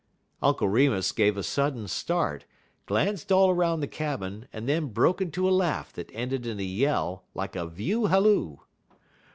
Uncle Remus gave a sudden start, glanced all around the cabin, and then broke into a laugh that ended in a yell like a view halloo.